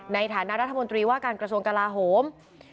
ในฐานะรัฐมนตรีว่าการกระทรวงกลาโหม